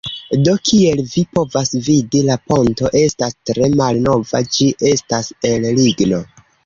Do, kiel vi povas vidi la ponto estas tre malnova ĝi estas el ligno